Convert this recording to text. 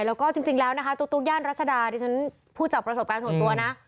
แล้วก็จริงแล้วนะคะตุ๊กย่านรัชดาที่ฉันพูดจากประสบการณ์ส่วนตัวนะ